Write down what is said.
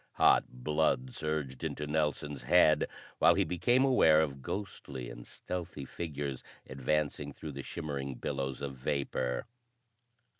Hot blood surged into Nelson's head while he became aware of ghostly and stealthy figures advancing through the shimmering billows of vapor.